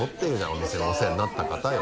お店のお世話になった方よ。